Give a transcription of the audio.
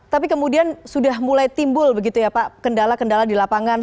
tapi kemudian sudah mulai timbul begitu ya pak kendala kendala di lapangan